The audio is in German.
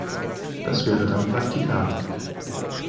Das wäre dann praktikabel.